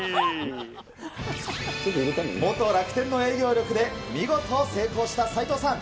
元楽天の営業力で、見事成功した斎藤さん。